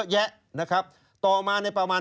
ชีวิตกระมวลวิสิทธิ์สุภาณฑ์